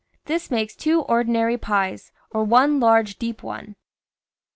This makes two ordinary pies or one large deep one.